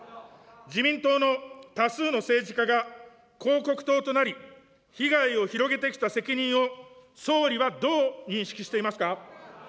自民党の多数の政治家が広告塔となり、被害を広げてきた責任を総理はどう認識していますか。